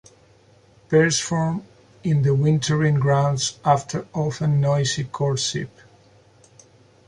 Pairs form in the wintering grounds, after often noisy courtship.